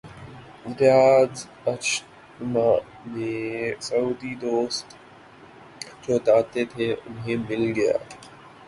ریاض اجتماع میں سعودی دوست جو چاہتے تھے، انہیں مل گیا۔